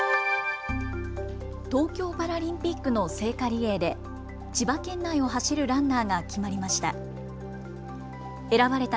東京パラリンピックの聖火リレーで千葉県内を走るランナーが決まりました。